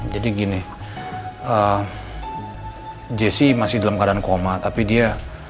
jadi gini emm jessy masih dalam keadaan koma tapi dia